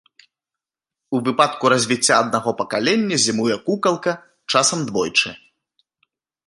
У выпадку развіцця аднаго пакалення зімуе кукалка, часам двойчы.